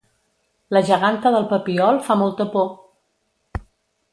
La geganta del Papiol fa molta por